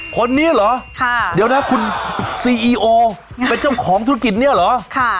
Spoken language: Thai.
คนนี้เหรอเดี๋ยวนะคุณซีอีโอเป็นเจ้าของธุรกิจเนี่ยเหรอ